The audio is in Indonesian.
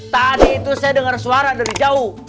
tadi itu saya dengar suara dari jauh